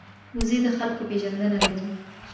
وزې د خلکو پېژندنه لري